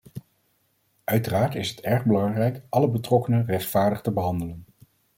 Uiteraard is het erg belangrijk alle betrokkenen rechtvaardig te behandelen.